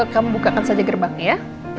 kamu bukakan saja gerbang ya